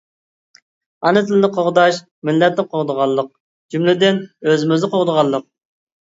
ئانا تىلنى قوغداش مىللەتنى قوغدىغانلىق جۈملىدىن ئۆزىمىزنى قوغدىغانلىق!